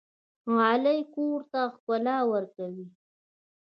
غالۍ کور ته ښکلا ورکوي.